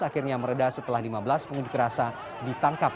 akhirnya meredah setelah lima belas pengundi kerasa ditangkap